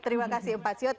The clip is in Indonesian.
terima kasih empat ceo